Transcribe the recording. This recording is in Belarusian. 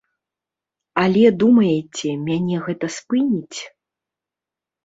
Але, думаеце, мяне гэта спыніць?